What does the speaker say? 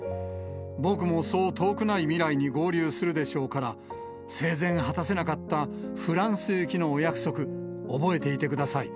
僕もそう遠くない未来に合流するでしょうから、生前果たせなかったフランス行きのお約束、覚えていてください。